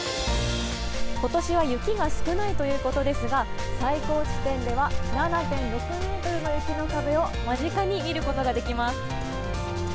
ことしは雪が少ないということですが、最高地点では７．６メートルの雪の壁を、間近に見ることができます。